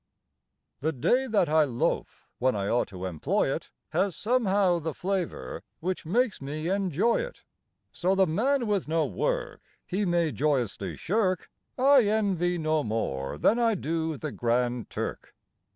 The day that I loaf when I ought to employ it Has, somehow, the flavor which makes me enjoy it. So the man with no work He may joyously shirk I envy no more than I do the Grand Turk.